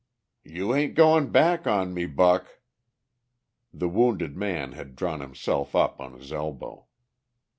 "You ain't goin' back on me, Buck!" The wounded man had drawn himself up on his elbow.